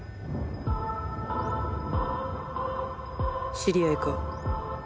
知り合いか？